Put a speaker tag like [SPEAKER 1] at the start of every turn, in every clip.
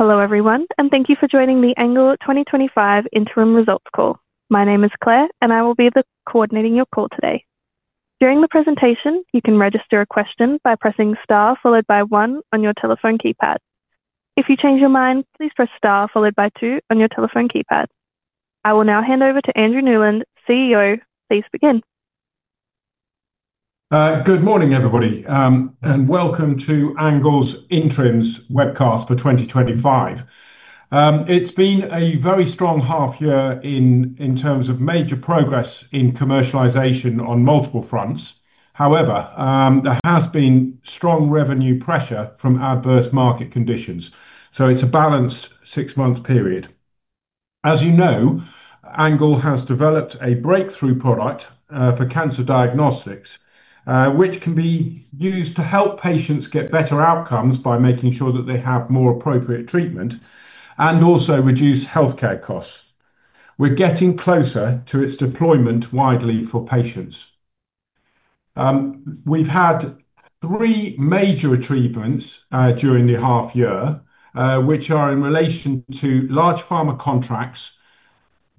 [SPEAKER 1] Hello everyone, and thank you for joining the ANGLE 2025 Interim Results Call. My name is Claire, and I will be coordinating your call today. During the presentation, you can register a question by pressing * followed by 1 on your telephone keypad. If you change your mind, please press * followed by 2 on your telephone keypad. I will now hand over to Andrew Newland, CEO. Please begin.
[SPEAKER 2] Good morning, everybody, and welcome to ANGLE's Interims Webcast for 2025. It's been a very strong half year in terms of major progress in commercialization on multiple fronts. However, there has been strong revenue pressure from adverse market conditions, so it's a balanced six-month period. As you know, ANGLE has developed a breakthrough product for cancer diagnostics, which can be used to help patients get better outcomes by making sure that they have more appropriate treatment and also reduce healthcare costs. We're getting closer to its deployment widely for patients. We've had three major achievements during the half year, which are in relation to large pharma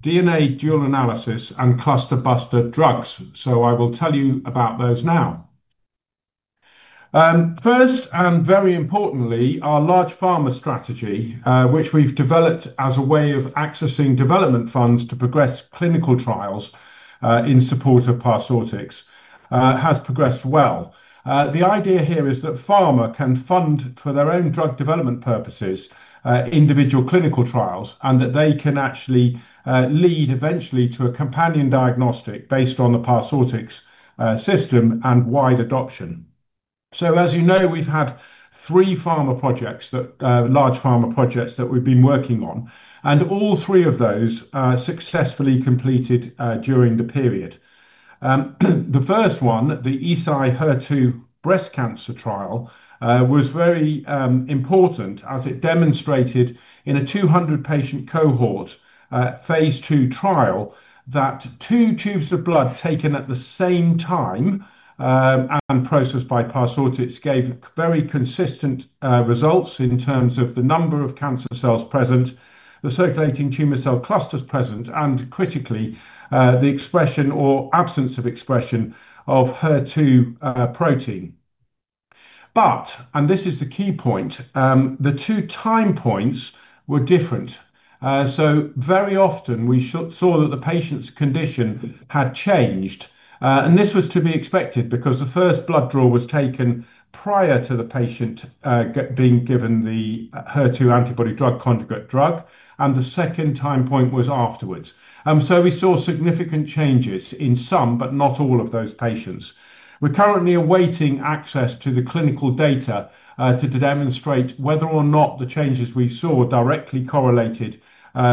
[SPEAKER 2] contracts, DNA dual analysis, and cluster buster drugs. I will tell you about those now. First, and very importantly, our large pharma strategy, which we've developed as a way of accessing development funds to progress clinical trials in support of prosthetics, has progressed well. The idea here is that pharma can fund for their own drug development purposes individual clinical trials and that they can actually lead eventually to a companion diagnostic based on the prosthetics system and wide adoption. As you know, we've had three pharma projects, large pharma projects that we've been working on, and all three of those are successfully completed during the period. The first one, the Eisai HER2 breast cancer trial, was very important as it demonstrated in a 200-patient cohort phase two trial that two tubes of blood taken at the same time and processed by prosthetics gave very consistent results in terms of the number of cancer cells present, the circulating tumor cell clusters present, and critically, the expression or absence of expression of HER2 protein. This is the key point: the two time points were different. Very often we saw that the patient's condition had changed, and this was to be expected because the first blood draw was taken prior to the patient being given the HER2 antibody drug conjugate drug, and the second time point was afterwards. We saw significant changes in some, but not all of those patients. We're currently awaiting access to the clinical data to demonstrate whether or not the changes we saw directly correlated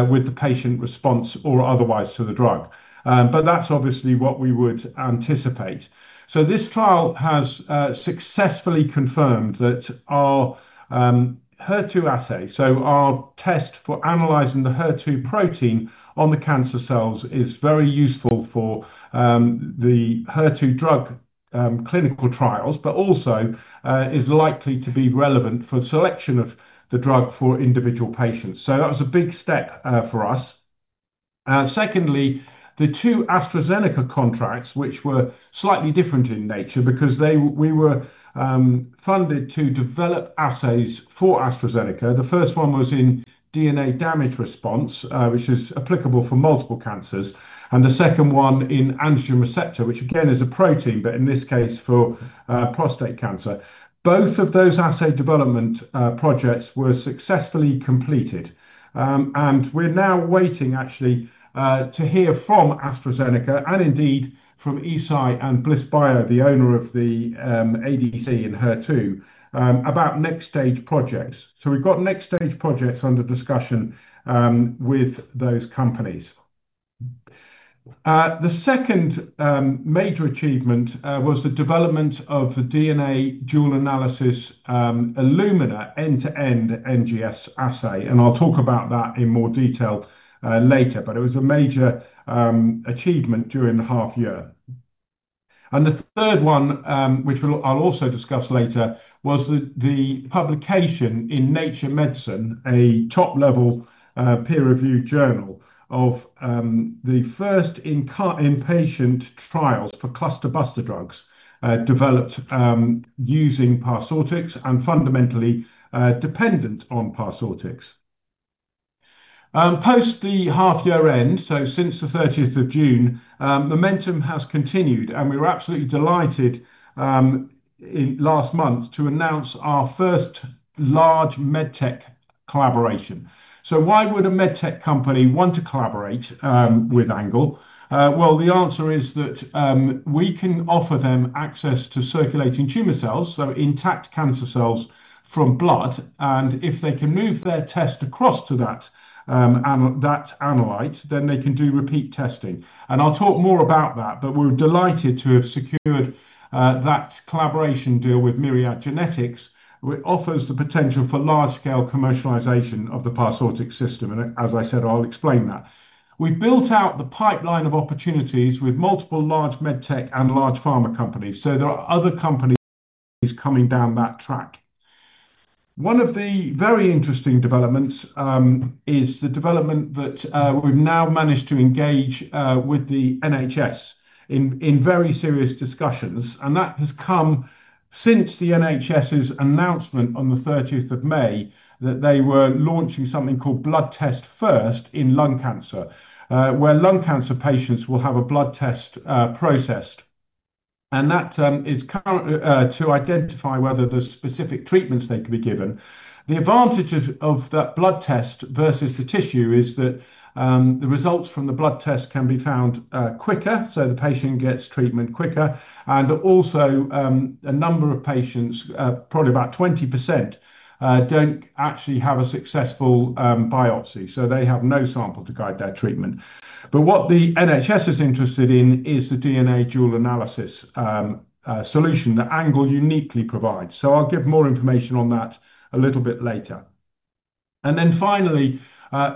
[SPEAKER 2] with the patient response or otherwise to the drug. That's obviously what we would anticipate. This trial has successfully confirmed that our HER2 assay, our test for analyzing the HER2 protein on the cancer cells, is very useful for the HER2 drug clinical trials and is likely to be relevant for the selection of the drug for individual patients. That was a big step for us. The two AstraZeneca contracts were slightly different in nature because we were funded to develop assays for AstraZeneca. The first one was in DNA damage response, which is applicable for multiple cancers, and the second one in antigen receptor, which again is a protein, but in this case for prostate cancer. Both of those assay development projects were successfully completed, and we're now waiting to hear from AstraZeneca and from Eisai and Bliss Bio, the owner of the ADC in HER2, about next-stage projects. We have next-stage projects under discussion with those companies. The second major achievement was the development of the DNA dual analysis Illumina end-to-end NGS assay, and I'll talk about that in more detail later, but it was a major achievement during the half year. The third one, which I'll also discuss later, was the publication in Nature Medicine, a top-level peer-reviewed journal, of the first in-patient trials for cluster buster drugs developed using prosthetics and fundamentally dependent on prosthetics. Post the half-year end, since the 30th of June, momentum has continued, and we were absolutely delighted last month to announce our first large medtech collaboration. Why would a medtech company want to collaborate with ANGLE? The answer is that we can offer them access to circulating tumor cells, intact cancer cells from blood, and if they can move their test across to that and that analysis, then they can do repeat testing. I'll talk more about that, but we're delighted to have secured that collaboration deal with Myriad Genetics, which offers the potential for large-scale commercialization of the prosthetic system. As I said, I'll explain that. We've built out the pipeline of opportunities with multiple large medtech and large pharma companies, so there are other companies coming down that track. One of the very interesting developments is the development that we've now managed to engage with the NHS in very serious discussions, and that has come since the NHS's announcement on the 30th of May that they were launching something called Blood Test First in lung cancer, where lung cancer patients will have a blood test processed. That is currently to identify whether there are specific treatments that can be given. The advantage of that blood test versus the tissue is that the results from the blood test can be found quicker, so the patient gets treatment quicker. Also, a number of patients, probably about 20%, don't actually have a successful biopsy, so they have no sample to guide their treatment. What the NHS is interested in is the DNA dual analysis solution that ANGLE uniquely provides. I'll give more information on that a little bit later. Finally,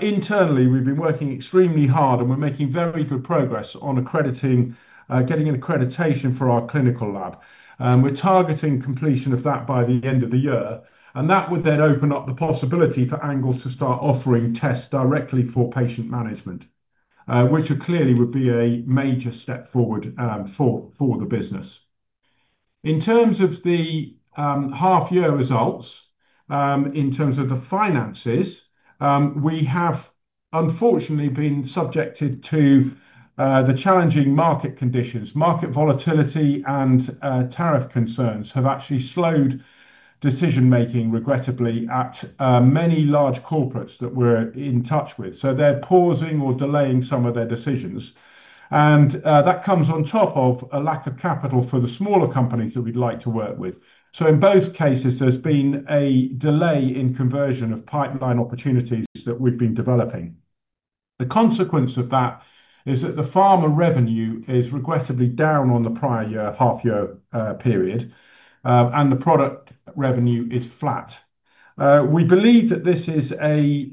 [SPEAKER 2] internally, we've been working extremely hard, and we're making very good progress on accrediting, getting an accreditation for our clinical lab. We're targeting completion of that by the end of the year, and that would then open up the possibility for ANGLE to start offering tests directly for patient management, which clearly would be a major step forward for the business. In terms of the half-year results, in terms of the finances, we have unfortunately been subjected to the challenging market conditions. Market volatility and tariff concerns have actually slowed decision-making, regrettably, at many large corporates that we're in touch with. They're pausing or delaying some of their decisions. That comes on top of a lack of capital for the smaller companies that we'd like to work with. In both cases, there's been a delay in conversion of pipeline opportunities that we've been developing. The consequence of that is that the pharma revenue is regrettably down on the prior half-year period, and the product revenue is flat. We believe that this is a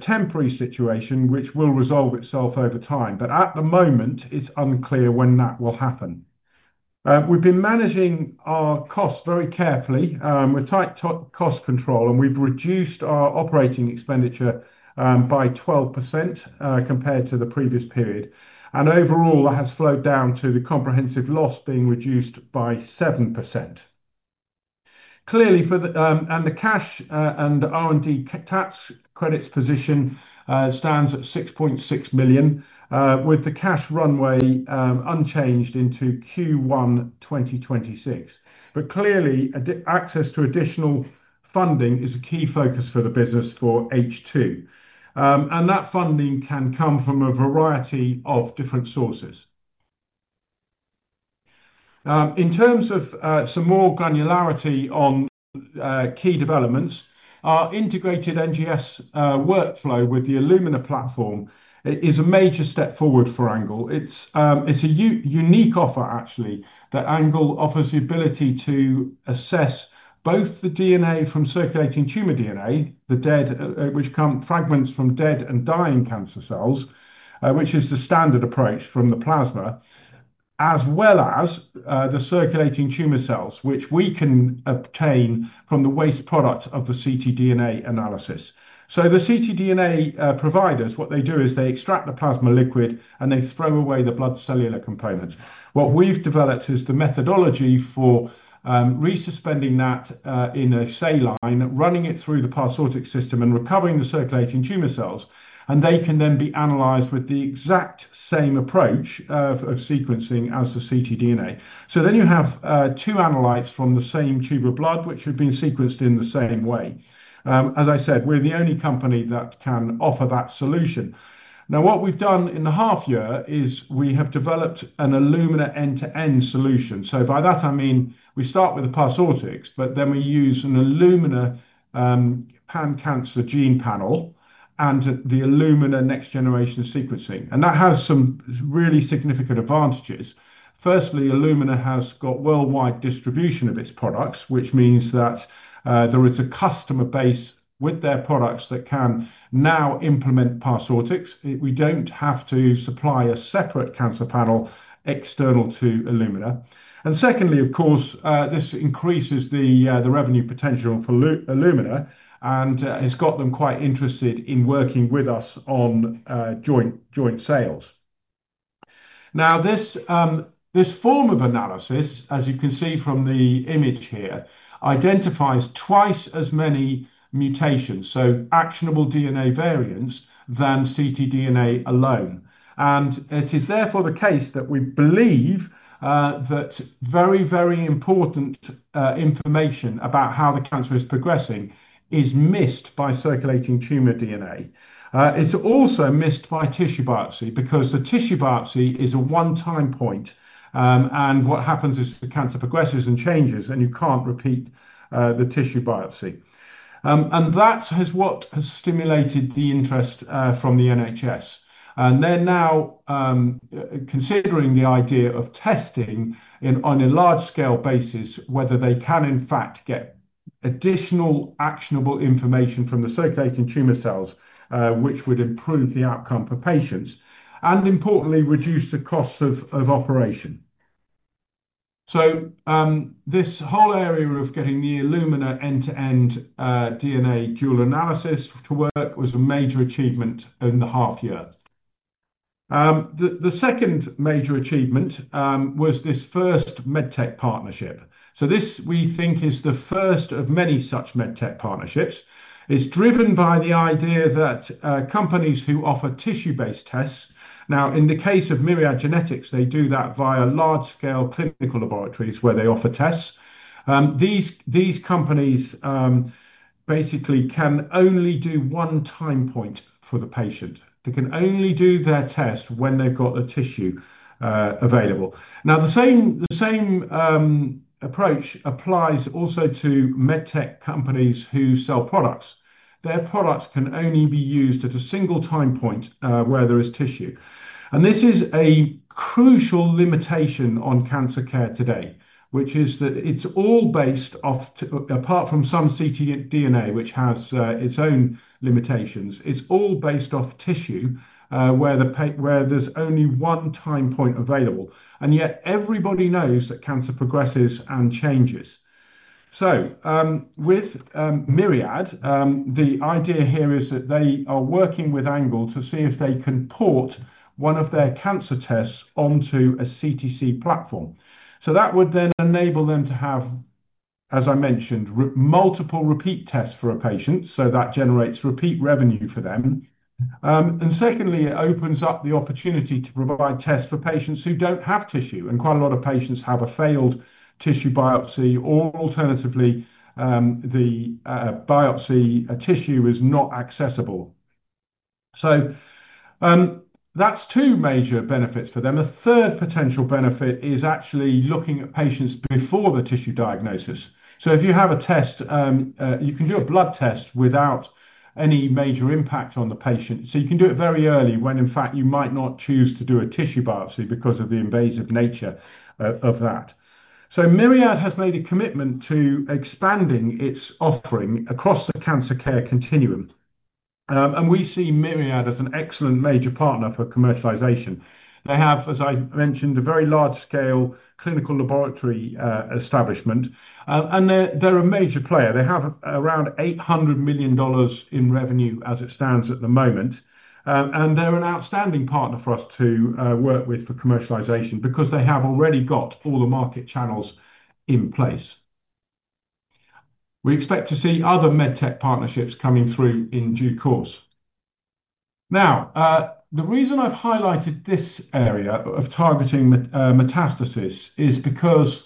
[SPEAKER 2] temporary situation which will resolve itself over time, but at the moment, it's unclear when that will happen. We've been managing our costs very carefully with tight cost control, and we've reduced our operating expenditure by 12% compared to the previous period. Overall, that has slowed down to the comprehensive loss being reduced by 7%. Clearly, for the cash and R&D tax credits position stands at 6.6 million, with the cash runway unchanged into Q1 2026. Clearly, access to additional funding is a key focus for the business for H2. That funding can come from a variety of different sources. In terms of some more granularity on key developments, our integrated NGS workflow with the Illumina platform is a major step forward for ANGLE plc. It's a unique offer, actually, that ANGLE offers the ability to assess both the DNA from circulating tumor DNA, which comes from fragments from dead and dying cancer cells, which is the standard approach from the plasma, as well as the circulating tumor cells, which we can obtain from the waste product of the ctDNA analysis. The ctDNA providers extract the plasma liquid and they throw away the blood cellular component. What we've developed is the methodology for resuspending that in a saline, running it through the Parsortix PC1 System and recovering the circulating tumor cells, and they can then be analyzed with the exact same approach of sequencing as the ctDNA. Then you have two analytes from the same tube of blood, which have been sequenced in the same way. As I said, we're the only company that can offer that solution. What we've done in the half-year is we have developed an Illumina end-to-end solution. By that, I mean we start with the Parsortix PC1 System, but then we use an Illumina pan-cancer gene panel and the Illumina next-generation sequencing. That has some really significant advantages. Firstly, Illumina has got worldwide distribution of its products, which means that there is a customer base with their products that can now implement Parsortix. We don't have to supply a separate cancer panel external to Illumina. Secondly, of course, this increases the revenue potential for Illumina and has got them quite interested in working with us on joint sales. This form of analysis, as you can see from the image here, identifies twice as many mutations, so actionable DNA variants, than ctDNA alone. It is therefore the case that we believe that very, very important information about how the cancer is progressing is missed by circulating tumor DNA. It's also missed by tissue biopsy because the tissue biopsy is a one-time point. What happens is the cancer progresses and changes, and you can't repeat the tissue biopsy. That has stimulated the interest from the NHS. They are now considering the idea of testing on a large-scale basis whether they can, in fact, get additional actionable information from the circulating tumor cells, which would improve the outcome for patients and importantly reduce the cost of operation. This whole area of getting the Illumina end-to-end DNA dual analysis to work was a major achievement in the half-year. The second major achievement was this first medtech partnership. This is the first of many such medtech partnerships. It is driven by the idea that companies who offer tissue-based tests, now in the case of Myriad Genetics, do that via large-scale clinical laboratories where they offer tests. These companies basically can only do one time point for the patient. They can only do their test when they've got the tissue available. The same approach applies also to medtech companies who sell products. Their products can only be used at a single time point where there is tissue. This is a crucial limitation on cancer care today, which is that it's all based off, apart from some ctDNA, which has its own limitations, it's all based off tissue where there's only one time point available. Everybody knows that cancer progresses and changes. With Myriad, the idea here is that they are working with ANGLE to see if they can port one of their cancer tests onto a CTC platform. That would then enable them to have, as I mentioned, multiple repeat tests for a patient, so that generates repeat revenue for them. It opens up the opportunity to provide tests for patients who don't have tissue. Quite a lot of patients have a failed tissue biopsy, or alternatively, the biopsy tissue is not accessible. That's two major benefits for them. The third potential benefit is actually looking at patients before the tissue diagnosis. If you have a test, you can do a blood test without any major impact on the patient. You can do it very early when, in fact, you might not choose to do a tissue biopsy because of the invasive nature of that. Myriad has made a commitment to expanding its offering across the cancer care continuum. We see Myriad as an excellent major partner for commercialization. They have, as I mentioned, a very large-scale clinical laboratory establishment. They are a major player. They have around $800 million in revenue as it stands at the moment. They're an outstanding partner for us to work with for commercialization because they have already got all the market channels in place. We expect to see other medtech partnerships coming through in due course. The reason I've highlighted this area of targeting metastasis is because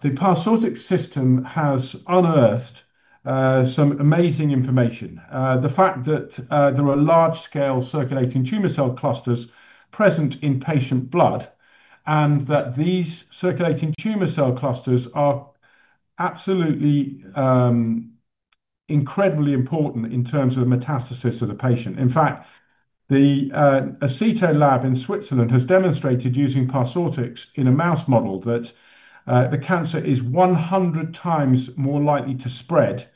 [SPEAKER 2] the Parsortix system has unearthed some amazing information. The fact that there are large-scale circulating tumor cell clusters present in patient blood and that these circulating tumor cell clusters are absolutely incredibly important in terms of the metastasis of the patient. In fact, the ACTO Lab in Switzerland has demonstrated using Parsortix in a mouse model that the cancer is 100x more likely to spread.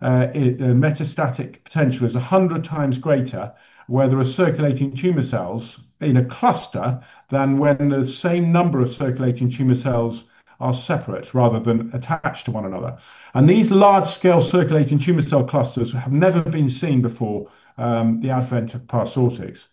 [SPEAKER 2] The metastatic potential is 100x greater where there are circulating tumor cells in a cluster than when the same number of circulating tumor cells are separate rather than attached to one another. These large-scale circulating tumor cell clusters have never been seen before the advent of Parsortix.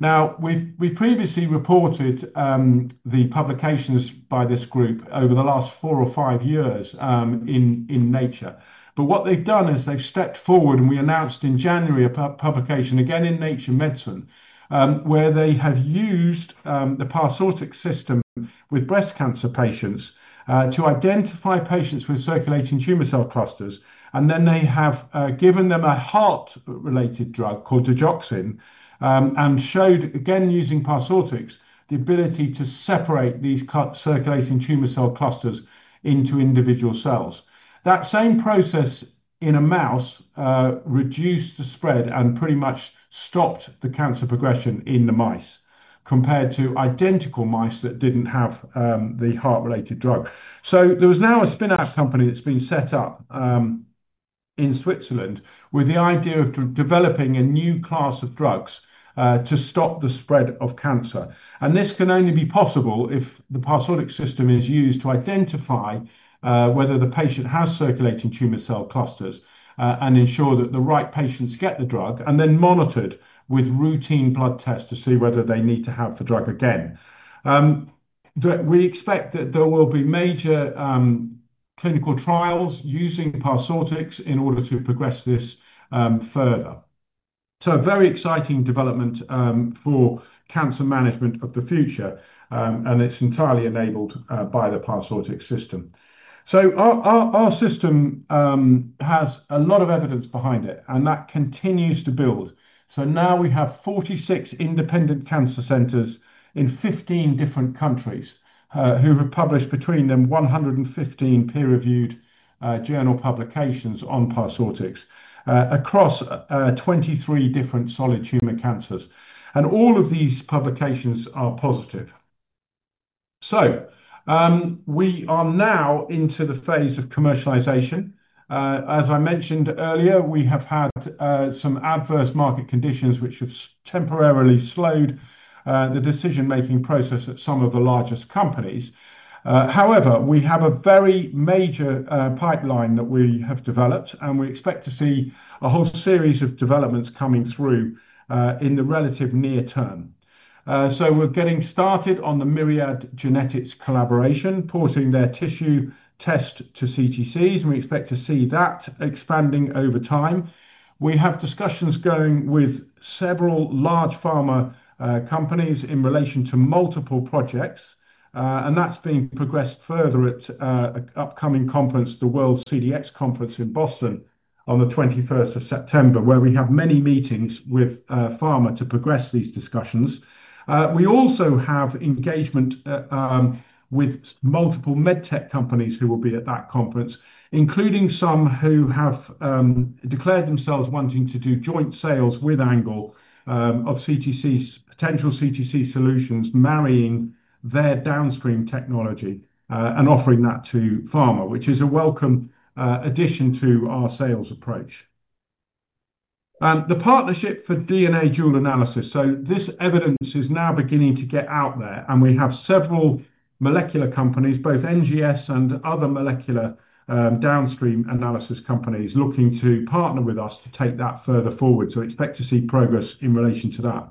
[SPEAKER 2] We've previously reported the publications by this group over the last four or five years in Nature. What they've done is they've stepped forward and we announced in January a publication again in Nature Medicine where they have used the Parsortix system with breast cancer patients to identify patients with circulating tumor cell clusters. They have given them a heart-related drug called digoxin and showed, again, using Parsortix, the ability to separate these circulating tumor cell clusters into individual cells. That same process in a mouse reduced the spread and pretty much stopped the cancer progression in the mice compared to identical mice that didn't have the heart-related drug. There's now a spin-out company that's been set up in Switzerland with the idea of developing a new class of drugs to stop the spread of cancer. This can only be possible if the Parsortix system is used to identify whether the patient has circulating tumor cell clusters and ensure that the right patients get the drug and then monitored with routine blood tests to see whether they need to have the drug again. We expect that there will be major clinical trials using the Parsortix in order to progress this further. A very exciting development for cancer management of the future, and it's entirely enabled by the Parsortix system. Our system has a lot of evidence behind it, and that continues to build. We now have 46 independent cancer centers in 15 different countries who have published between them 115 peer-reviewed journal publications on Parsortix across 23 different solid tumor cancers. All of these publications are positive. We are now into the phase of commercialization. As I mentioned earlier, we have had some adverse market conditions which have temporarily slowed the decision-making process at some of the largest companies. However, we have a very major pipeline that we have developed, and we expect to see a whole series of developments coming through in the relatively near term. We're getting started on the Myriad Genetics collaboration, porting their tissue test to CTCs, and we expect to see that expanding over time. We have discussions going with several large pharma companies in relation to multiple projects, and that's being progressed further at an upcoming conference, the World TDX Conference in Boston on the 21st of September, where we have many meetings with pharma to progress these discussions. We also have engagement with multiple medtech companies who will be at that conference, including some who have declared themselves wanting to do joint sales with ANGLE of potential CTC solutions, marrying their downstream technology and offering that to pharma, which is a welcome addition to our sales approach. The partnership for DNA dual analysis, so this evidence is now beginning to get out there, and we have several molecular companies, both NGS and other molecular downstream analysis companies, looking to partner with us to take that further forward. We expect to see progress in relation to that.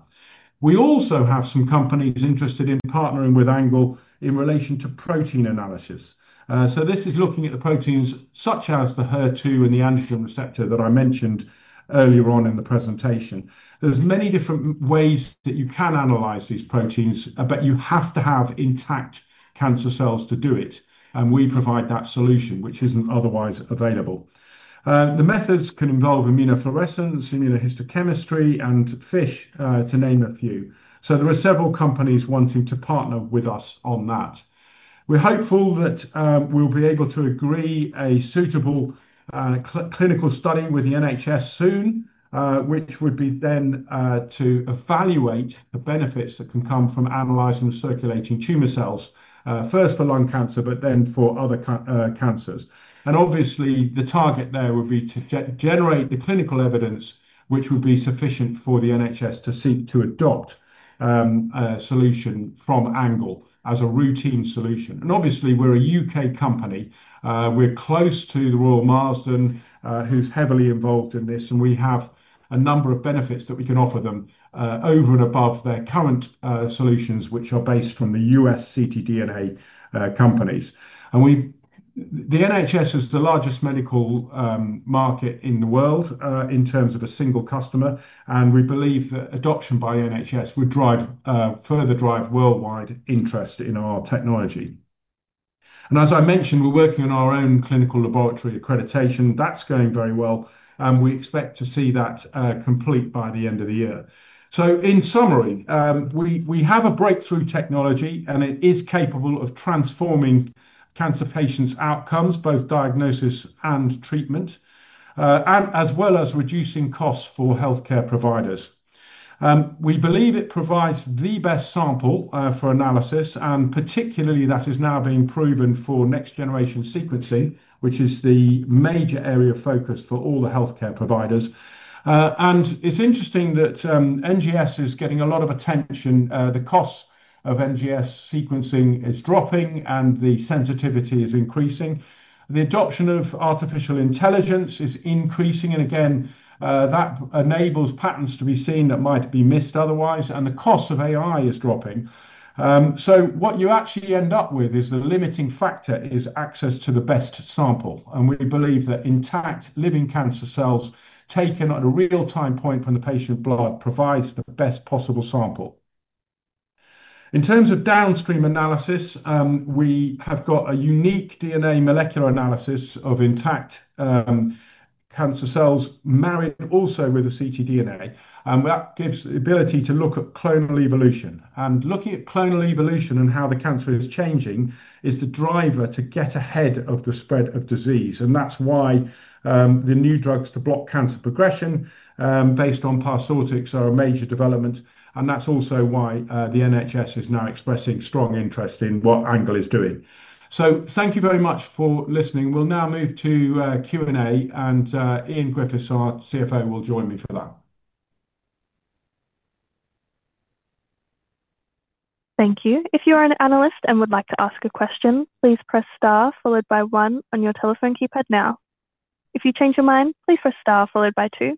[SPEAKER 2] We also have some companies interested in partnering with ANGLE in relation to protein analysis. This is looking at the proteins such as the HER2 and the antigen receptor that I mentioned earlier on in the presentation. There are many different ways that you can analyze these proteins, but you have to have intact cancer cells to do it, and we provide that solution, which isn't otherwise available. The methods can involve immunofluorescence, immunohistochemistry, and FISH, to name a few. There are several companies wanting to partner with us on that. We're hopeful that we'll be able to agree on a suitable clinical study with the NHS soon, which would be then to evaluate the benefits that can come from analyzing circulating tumor cells, first for lung cancer, but then for other cancers. Obviously, the target there would be to generate the clinical evidence, which would be sufficient for the NHS to seek to adopt a solution from ANGLE as a routine solution. We're a UK company. We're close to the Royal Marsden Group, who's heavily involved in this, and we have a number of benefits that we can offer them over and above their current solutions, which are based from the U.S. ctDNA companies. The NHS is the largest medical market in the world in terms of a single customer, and we believe that adoption by NHS would further drive worldwide interest in our technology. As I mentioned, we're working on our own clinical laboratory accreditation. That's going very well, and we expect to see that complete by the end of the year. In summary, we have a breakthrough technology, and it is capable of transforming cancer patients' outcomes, both diagnosis and treatment, as well as reducing costs for healthcare providers. We believe it provides the best sample for analysis, and particularly that is now being proven for next-generation sequencing, which is the major area of focus for all the healthcare providers. It's interesting that NGS is getting a lot of attention. The cost of NGS sequencing is dropping, and the sensitivity is increasing. The adoption of artificial intelligence is increasing, and again, that enables patients to be seen that might be missed otherwise, and the cost of AI is dropping. What you actually end up with is the limiting factor is access to the best sample, and we believe that intact living cancer cells taken at a real-time point when the patient blood provides the best possible sample. In terms of downstream analysis, we have got a unique DNA molecular analysis of intact cancer cells married also with the ctDNA, and that gives the ability to look at clonal evolution. Looking at clonal evolution and how the cancer is changing is the driver to get ahead of the spread of disease, and that's why the new drugs to block cancer progression based on prosthetics are a major development, and that's also why the NHS is now expressing strong interest in what ANGLE is doing. Thank you very much for listening. We'll now move to Q&A, and Ian Griffiths, our CFO, will join me for that.
[SPEAKER 1] Thank you. If you are an analyst and would like to ask a question, please press * followed by 1 on your telephone keypad now. If you change your mind, please press * followed by 2.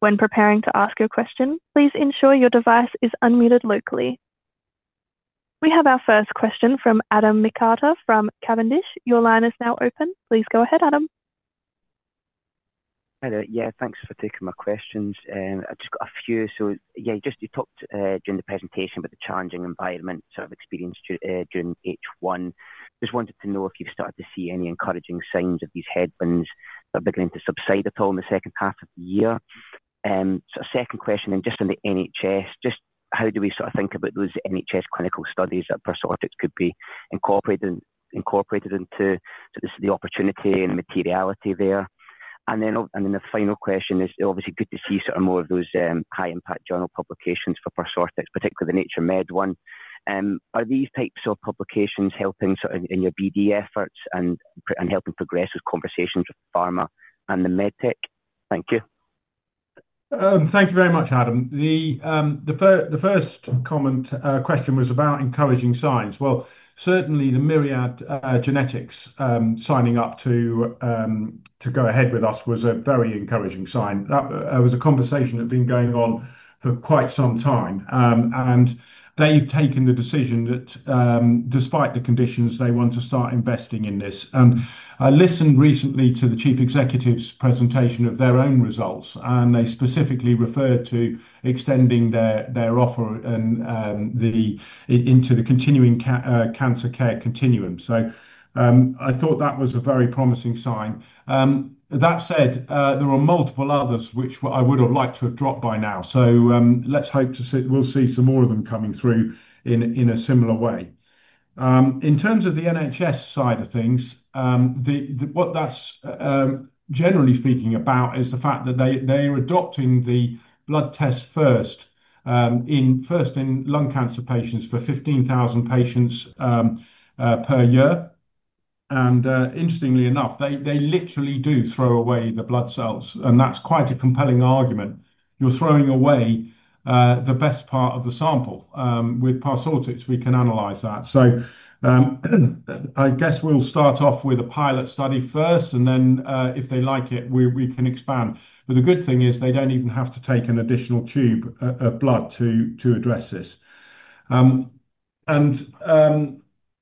[SPEAKER 1] When preparing to ask your question, please ensure your device is unmuted locally. We have our first question from Adam McAr from Cavendish. Your line is now open. Please go ahead, Adam.
[SPEAKER 3] Hello. Yeah, thanks for taking my questions. I've just got a few. You talked during the presentation about the challenging environment sort of experienced during H1. I just wanted to know if you've started to see any encouraging signs of these headwinds that are beginning to subside at all in the second half of the year. A second question, in the NHS, how do we sort of think about those NHS clinical studies that Parsortix could be incorporated into? This is the opportunity and materiality there. The final question is obviously good to see more of those high-impact journal publications for Parsortix, particularly the Nature Medicine one. Are these types of publications helping in your BD efforts and helping progress with conversations with pharma and the medtech? Thank you.
[SPEAKER 2] Thank you very much, Adam. The first comment question was about encouraging signs. Certainly, the Myriad Genetics signing up to go ahead with us was a very encouraging sign. That was a conversation that had been going on for quite some time, and they've taken the decision that despite the conditions, they want to start investing in this. I listened recently to the Chief Executive's presentation of their own results, and they specifically referred to extending their offer into the continuing cancer care continuum. I thought that was a very promising sign. That said, there are multiple others which I would have liked to have dropped by now. Let's hope to see, we'll see some more of them coming through in a similar way. In terms of the NHS side of things, what that's generally speaking about is the fact that they are adopting the “Blood Test First” in lung cancer patients for 15,000 patients per year. Interestingly enough, they literally do throw away the blood cells, and that's quite a compelling argument. You're throwing away the best part of the sample. With Parsortix, we can analyze that. I guess we'll start off with a pilot study first, and if they like it, we can expand. The good thing is they don't even have to take an additional tube of blood to address this.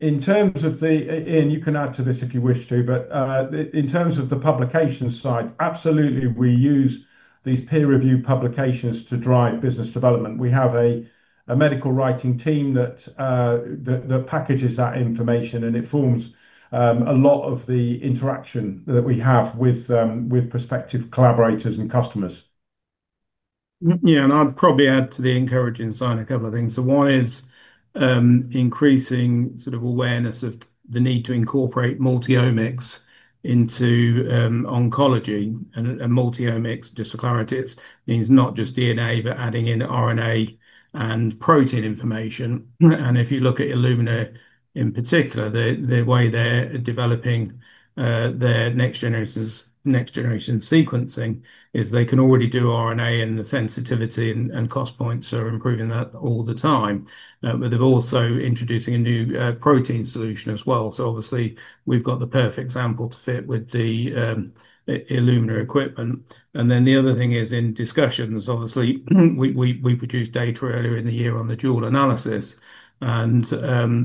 [SPEAKER 2] Ian, you can add to this if you wish to, but in terms of the publication side, absolutely, we use these peer-reviewed publications to drive business development. We have a medical writing team that packages that information, and it forms a lot of the interaction that we have with prospective collaborators and customers.
[SPEAKER 4] Yeah, and I'd probably add to the encouraging sign a couple of things. One is increasing sort of awareness of the need to incorporate multiomics into oncology. Multiomics, just for clarity, means not just DNA, but adding in RNA and protein information. If you look at Illumina in particular, the way they're developing their next-generation sequencing is they can already do RNA, and the sensitivity and cost points are improving that all the time. They're also introducing a new protein solution as well. Obviously, we've got the perfect sample to fit with the Illumina equipment. The other thing is in discussions, obviously, we produced data earlier in the year on the dual analysis, and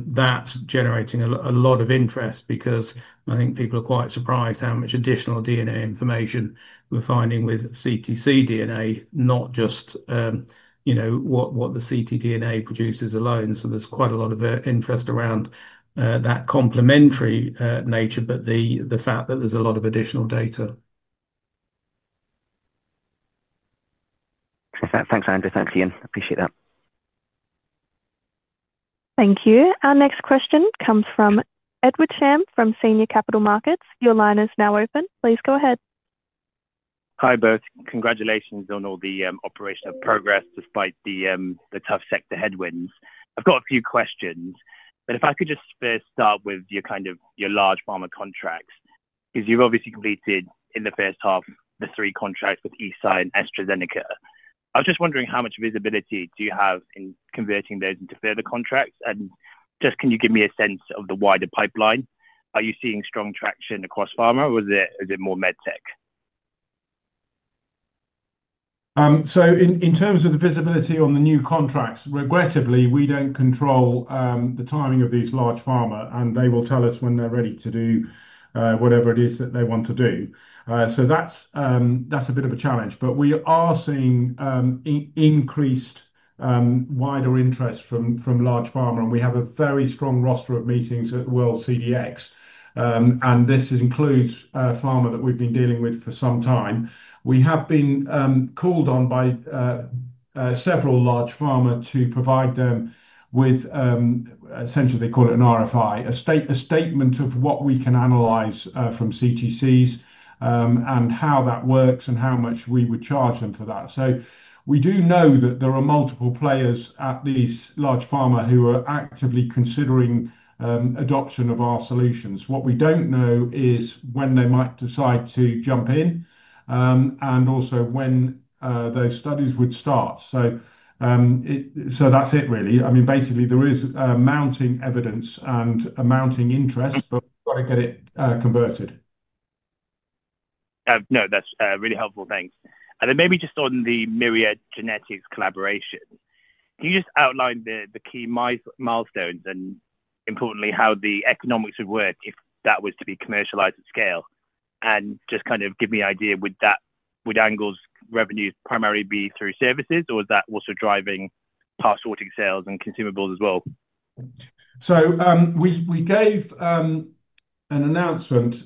[SPEAKER 4] that's generating a lot of interest because I think people are quite surprised how much additional DNA information we're finding with ctDNA, not just, you know, what the ctDNA produces alone. There's quite a lot of interest around that complementary nature, but the fact that there's a lot of additional data.
[SPEAKER 3] Thanks, Andrew. Thanks, Ian. Appreciate that.
[SPEAKER 1] Thank you. Our next question comes from Edward Cham from Senior Capital Markets. Your line is now open. Please go ahead.
[SPEAKER 5] Hi both. Congratulations on all the operational progress despite the tough sector headwinds. I've got a few questions. If I could just first start with your large pharma contracts, because you've obviously completed in the first half the three contracts with Eisai and AstraZeneca. I was just wondering how much visibility do you have in converting those into further contracts? Can you give me a sense of the wider pipeline? Are you seeing strong traction across pharma, or is it more medtech?
[SPEAKER 2] In terms of the visibility on the new contracts, regrettably, we don't control the timing of these large pharma, and they will tell us when they're ready to do whatever it is that they want to do. That's a bit of a challenge. We are seeing increased wider interest from large pharma, and we have a very strong roster of meetings at WorldCDX. This includes pharma that we've been dealing with for some time. We have been called on by several large pharma to provide them with, essentially, they call it an RFI, a statement of what we can analyze from CTCs and how that works and how much we would charge them for that. We do know that there are multiple players at these large pharma who are actively considering adoption of our solutions. What we don't know is when they might decide to jump in and also when those studies would start. Basically, there is mounting evidence and a mounting interest, but we've got to get it converted.
[SPEAKER 5] No, that's really helpful. Thanks. Maybe just on the Myriad Genetics collaboration, can you just outline the key milestones and importantly how the economics would work if that was to be commercialized at scale? Just kind of give me an idea, would ANGLE's revenues primarily be through services, or is that also driving Parsortix sales and consumables as well?
[SPEAKER 2] We gave an announcement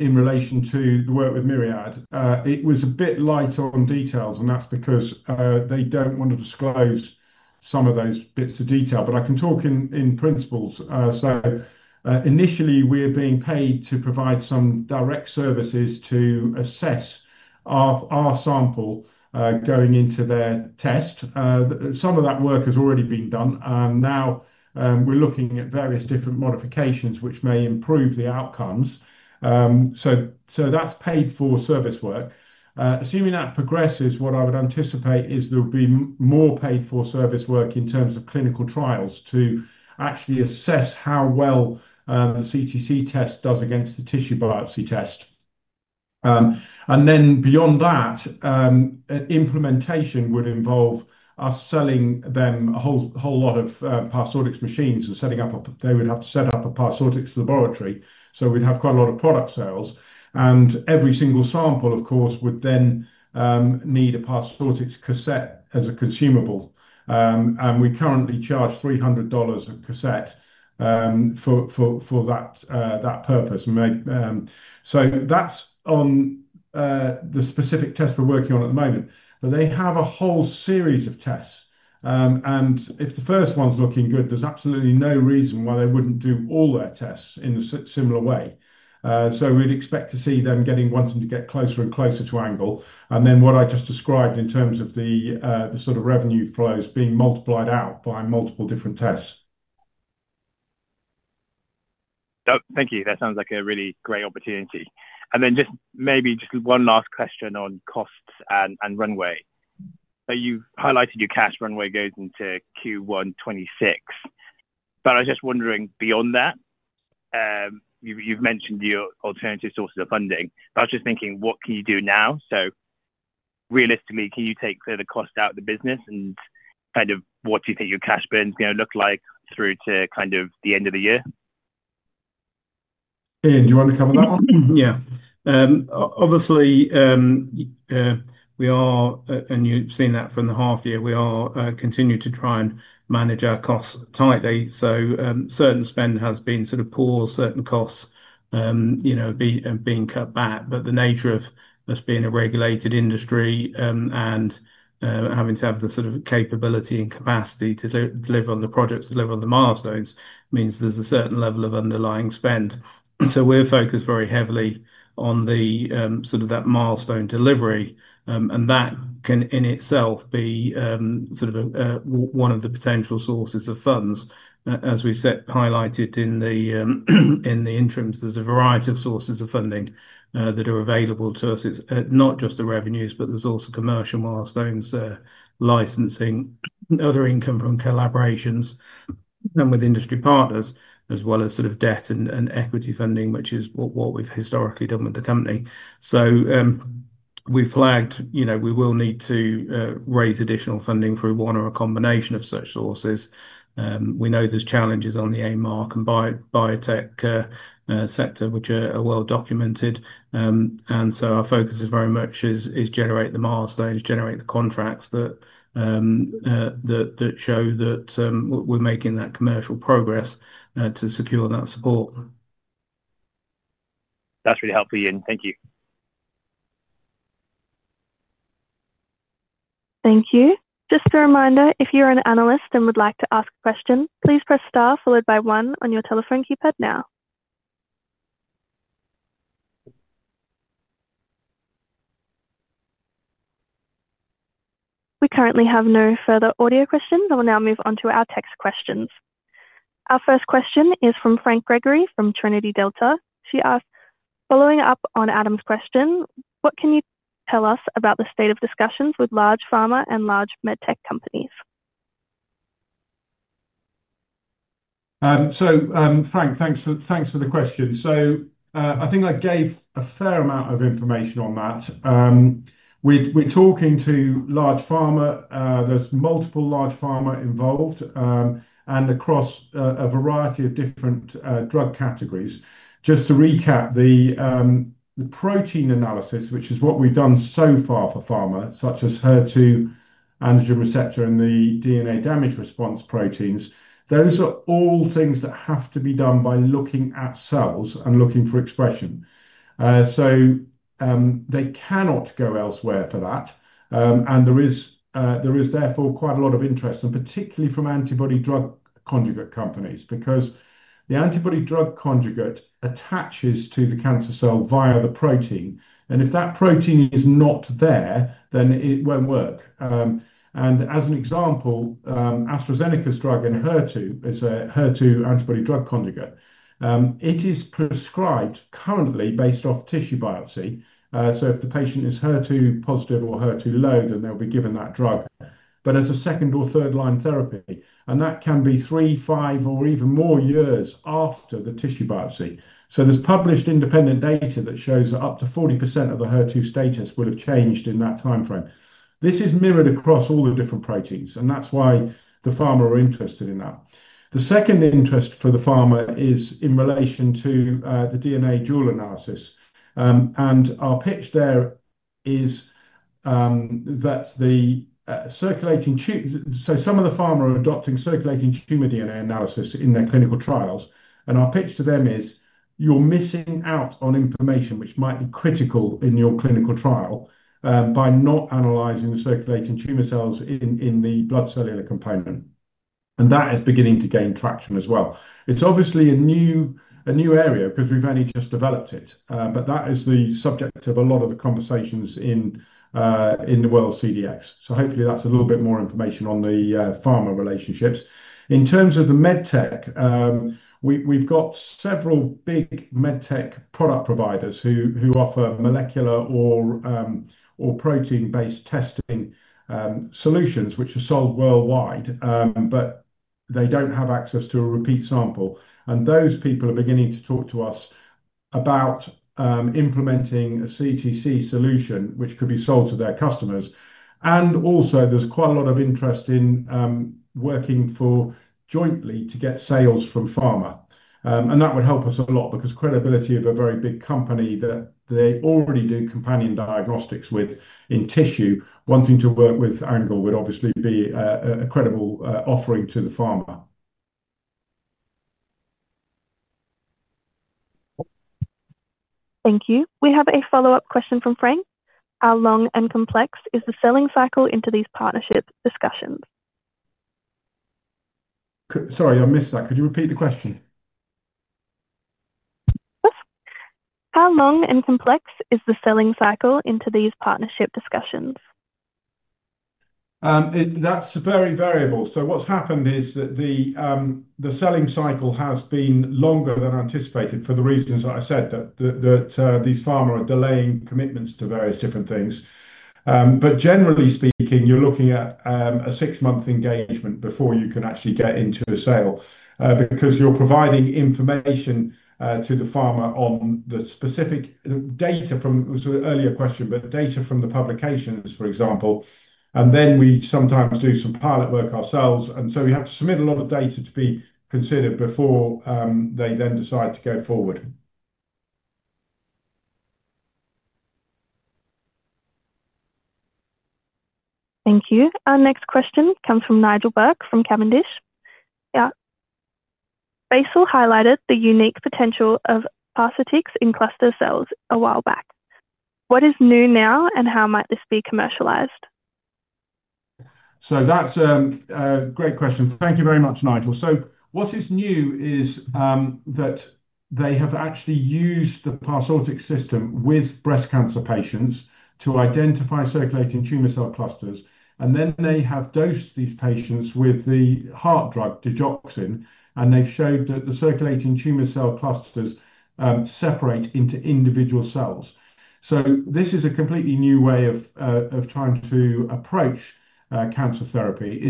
[SPEAKER 2] in relation to the work with Myriad. It was a bit light on details, and that's because they don't want to disclose some of those bits of detail. I can talk in principles. Initially, we are being paid to provide some direct services to assess our sample going into their test. Some of that work has already been done, and now we're looking at various different modifications which may improve the outcomes. That's paid-for service work. Assuming that progresses, what I would anticipate is there'll be more paid-for service work in terms of clinical trials to actually assess how well a circulating tumor cell (CTC) test does against the tissue biopsy test. Beyond that, implementation would involve us selling them a whole lot of Parsortix PC1 System machines and setting up a, they would have to set up a Parsortix laboratory. We'd have quite a lot of product sales. Every single sample, of course, would then need a Parsortix cassette as a consumable. We currently charge $300 a cassette for that purpose. That's on the specific test we're working on at the moment. They have a whole series of tests, and if the first one's looking good, there's absolutely no reason why they wouldn't do all their tests in a similar way. We'd expect to see them wanting to get closer and closer to ANGLE. What I just described in terms of the sort of revenue flows being multiplied out by multiple different tests.
[SPEAKER 5] Thank you. That sounds like a really great opportunity. Maybe just one last question on costs and runway. You've highlighted your cash runway goes into Q1 2026. I was just wondering, beyond that, you've mentioned your alternative sources of funding. I was just thinking, what can you do now? Realistically, can you take further cost out of the business, and what do you think your cash burn is going to look like through to the end of the year?
[SPEAKER 2] Ian, do you want to cover that one?
[SPEAKER 4] Yeah. Obviously, we are, and you've seen that from the half year, we are continuing to try and manage our costs tightly. Certain spend has been sort of poor, certain costs being cut back. The nature of us being a regulated industry and having to have the sort of capability and capacity to deliver on the projects, deliver on the milestones means there's a certain level of underlying spend. We're focused very heavily on that milestone delivery. That can in itself be one of the potential sources of funds. As we highlighted in the interims, there's a variety of sources of funding that are available to us. It's not just the revenues, but there's also commercial milestones, licensing, other income from collaborations and with industry partners, as well as debt and equity funding, which is what we've historically done with the company. We've flagged, you know, we will need to raise additional funding through one or a combination of such sources. We know there's challenges on the AMR and biotech sector, which are well documented. Our focus is very much to generate the milestones, generate the contracts that show that we're making that commercial progress to secure that support.
[SPEAKER 5] That's really helpful, Ian. Thank you.
[SPEAKER 1] Thank you. Just a reminder, if you're an analyst and would like to ask a question, please press * followed by 1 on your telephone keypad now. We currently have no further audio questions. I will now move on to our text questions. Our first question is from Frank Gregory from Trinity Delta. He asked, "Following up on Adam's question, what can you tell us about the state of discussions with large pharma and large medtech companies?
[SPEAKER 2] Frank, thanks for the question. I think I gave a fair amount of information on that. We're talking to large pharma. There's multiple large pharma involved and across a variety of different drug categories. Just to recap, the protein analysis, which is what we've done so far for pharma, such as HER2, antigen receptor, and the DNA damage response proteins, those are all things that have to be done by looking at cells and looking for expression. They cannot go elsewhere for that. There is therefore quite a lot of interest, particularly from antibody drug conjugate companies, because the antibody drug conjugate attaches to the cancer cell via the protein. If that protein is not there, then it won't work. As an example, AstraZeneca's drug in HER2 is a HER2 antibody drug conjugate. It is prescribed currently based off tissue biopsy. If the patient is HER2 positive or HER2 low, then they'll be given that drug as a second or third-line therapy, and that can be three, five, or even more years after the tissue biopsy. There is published independent data that shows that up to 40% of the HER2 status will have changed in that timeframe. This is mirrored across all the different proteins, and that's why the pharma are interested in that. The second interest for the pharma is in relation to the DNA dual analysis. Our pitch there is that the circulating tumor, so some of the pharma are adopting circulating tumor DNA analysis in their clinical trials. Our pitch to them is you're missing out on information which might be critical in your clinical trial by not analyzing the circulating tumor cells in the blood cellular component. That is beginning to gain traction as well. It's obviously a new area because we've only just developed it. That is the subject of a lot of the conversations in the World CDx. Hopefully, that's a little bit more information on the pharma relationships. In terms of the medtech, we've got several big medtech product providers who offer molecular or protein-based testing solutions, which are sold worldwide, but they don't have access to a repeat sample. Those people are beginning to talk to us about implementing a CTC solution, which could be sold to their customers. Also, there's quite a lot of interest in working jointly to get sales from pharma. That would help us a lot because credibility of a very big company that they already do companion diagnostics with in tissue, wanting to work with ANGLE would obviously be a credible offering to the pharma.
[SPEAKER 1] Thank you. We have a follow-up question from Frank. How long and complex is the selling cycle into these partnership discussions?
[SPEAKER 2] Sorry, I missed that. Could you repeat the question?
[SPEAKER 1] How long and complex is the selling cycle into these partnership discussions?
[SPEAKER 2] That's very variable. What's happened is that the selling cycle has been longer than anticipated for the reasons that I said, that these pharma are delaying commitments to various different things. Generally speaking, you're looking at a six-month engagement before you can actually get into the sale because you're providing information to the pharma on the specific data from, it was an earlier question, but data from the publications, for example. We sometimes do some pilot work ourselves, so we have to submit a lot of data to be considered before they then decide to go forward.
[SPEAKER 1] Thank you. Our next question comes from Nigel Burke from Cavendish. Basil highlighted the unique potential of prosthetics in cluster cells a while back. What is new now, and how might this be commercialized?
[SPEAKER 2] That's a great question. Thank you very much, Nigel. What is new is that they have actually used the Parsortix System with breast cancer patients to identify circulating tumor cell clusters. They have dosed these patients with the heart drug digoxin, and they've showed that the circulating tumor cell clusters separate into individual cells. This is a completely new way of trying to approach cancer therapy,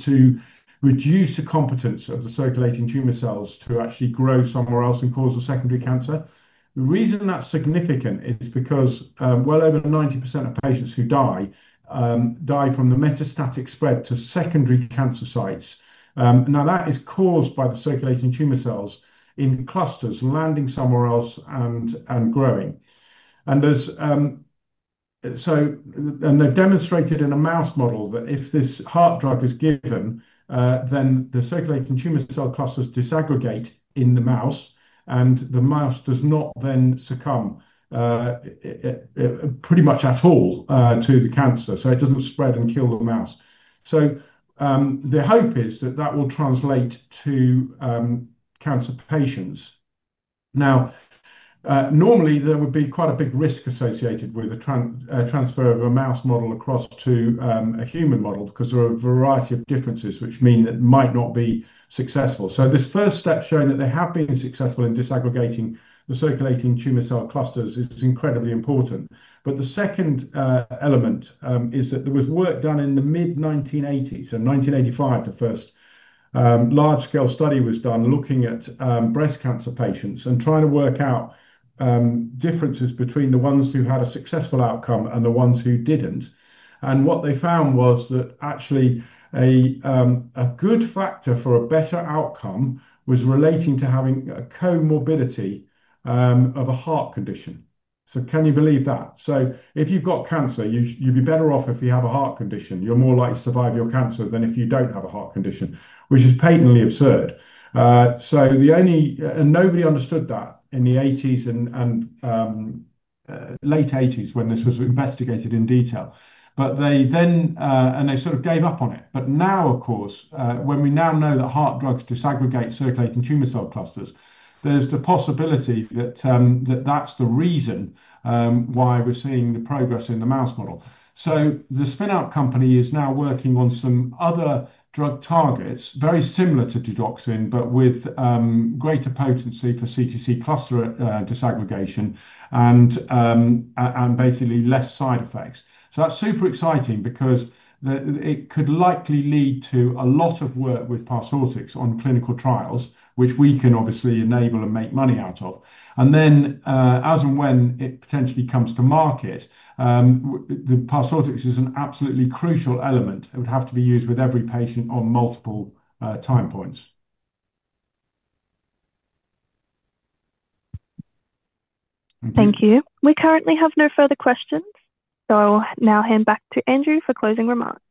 [SPEAKER 2] to reduce the competence of the circulating tumor cells to actually grow somewhere else and cause a secondary cancer. The reason that's significant is because well over 90% of patients who die, die from the metastatic spread to secondary cancer sites. That is caused by the circulating tumor cells in clusters landing somewhere else and growing. They demonstrated in a mouse model that if this heart drug is given, then the circulating tumor cell clusters disaggregate in the mouse, and the mouse does not then succumb pretty much at all to the cancer. It doesn't spread and kill the mouse. The hope is that will translate to cancer patients. Normally, there would be quite a big risk associated with the transfer of a mouse model across to a human model because there are a variety of differences which mean that it might not be successful. This first step showing that they have been successful in disaggregating the circulating tumor cell clusters is incredibly important. The second element is that there was work done in the mid-1980s, so in 1985, the first large-scale study was done looking at breast cancer patients and trying to work out differences between the ones who had a successful outcome and the ones who didn't. What they found was that actually a good factor for a better outcome was relating to having a comorbidity of a heart condition. Can you believe that? If you've got cancer, you'd be better off if you have a heart condition. You're more likely to survive your cancer than if you don't have a heart condition, which is patently absurd. Nobody understood that in the '80s and late '80s when this was investigated in detail. They then sort of gave up on it. Now, of course, when we now know that heart drugs disaggregate circulating tumor cell clusters, there's the possibility that that's the reason why we're seeing the progress in the mouse model. The spin-out company is now working on some other drug targets very similar to digoxin, but with greater potency for CTC cluster disaggregation and basically less side effects. That's super exciting because it could likely lead to a lot of work with prosthetics on clinical trials, which we can obviously enable and make money out of. As and when it potentially comes to market, the prosthetics is an absolutely crucial element. It would have to be used with every patient on multiple time points.
[SPEAKER 1] Thank you. We currently have no further questions. I will now hand back to Andrew for closing remarks.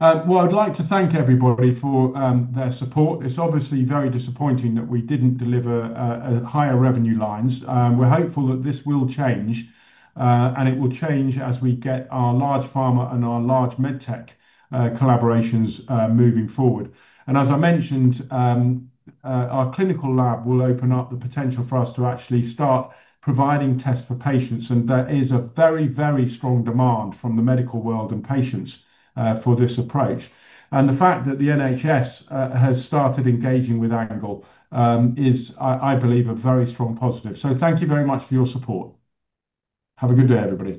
[SPEAKER 2] I would like to thank everybody for their support. It's obviously very disappointing that we didn't deliver higher revenue lines. We're hopeful that this will change, and it will change as we get our large pharma and our large medtech collaborations moving forward. As I mentioned, our clinical lab will open up the potential for us to actually start providing tests for patients. There is a very, very strong demand from the medical world and patients for this approach. The fact that the NHS has started engaging with ANGLE is, I believe, a very strong positive. Thank you very much for your support. Have a good day, everybody.